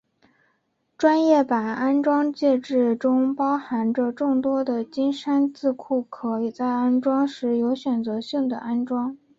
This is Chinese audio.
专业版安装介质中包含着众多的金山字库可在安装时有选择性的安装。